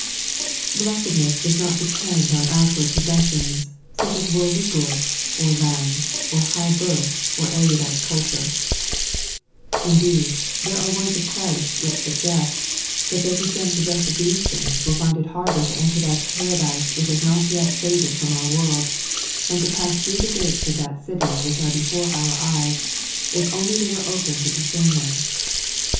Bieesedness does not depend on outward possesdona, such as worldly goods, or lands, or high birth, or erudite culture. 3.n.iized by Google 16 Ob, the Blessedness! Indeed, there are words of Christ which suggest that they who stand poesesaed of these things will find it harder to enter that Paradise which has not yet faded from our world, and to pass through the gates of that city which are before our eyes, if only they were opened to discern them.